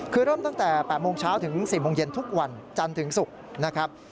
คือเริ่มตั้งแต่๘โมงเช้าถึง๔โมงเย็นทุกวันจันทร์ถึงศุกร์นะครับ